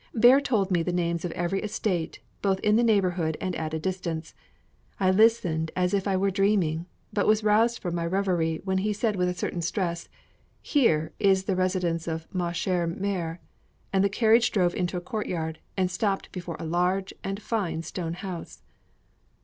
Bear told me the names of every estate, both in the neighborhood and at a distance. I listened as if I were dreaming, but was roused from my reverie when he said with a certain stress, "Here is the residence of ma chère mère," and the carriage drove into a courtyard, and stopped before a large and fine stone house.